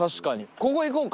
ここ行こうか。